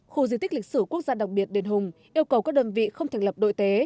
khu di tích lịch sử quốc gia đặc biệt đền hùng yêu cầu các đơn vị không thành lập đội tế